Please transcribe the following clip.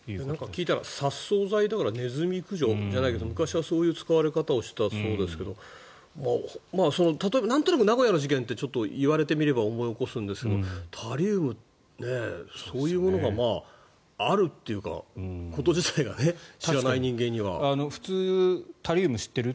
聞いたら殺鼠剤だからネズミ駆除じゃないけど昔はそういう使われ方をしていたそうですけど例えばなんとなく名古屋の事件って言われてみれば思い起こすんですけどタリウムってそういうものがあるっていうこと自体が普通、タリウム知ってる？